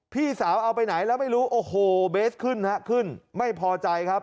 พี่สาวเอาไปไหนแล้วไม่รู้บายซ์ขึ้นเคิ่นไม่พอใจครับ